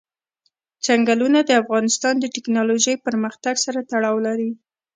چنګلونه د افغانستان د تکنالوژۍ پرمختګ سره تړاو لري.